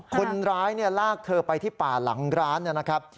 คนร้ายลากเธอไปที่ป่าหลังร้านนะครับ